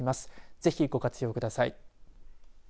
ぜひ、ご活用ください。